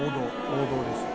王道ですよ。